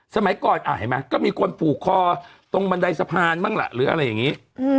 สมัยก่อนเห็นไหมก็มีคนผูกคอตรงบันไดสะพานบ้างล่ะหรืออะไรอย่างนี้